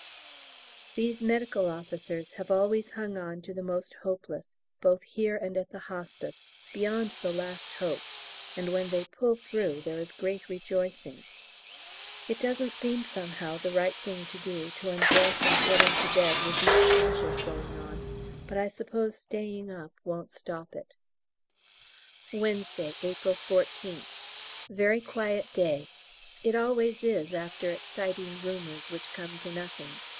These Medical Officers have always hung on to the most hopeless, both here and at the Hospice, beyond the last hope, and when they pull through there is great rejoicing. It doesn't seem somehow the right thing to do, to undress and get into bed with these crashes going on, but I suppose staying up won't stop it! Wednesday, April 14th. Very quiet day; it always is after exciting rumours which come to nothing!